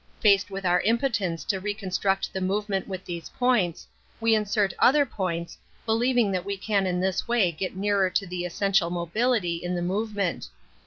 Faced with our impotence to reconstruct the move ment with these points, we insert other points, believing that we can in this way get nearer to the essential mobility in the movement.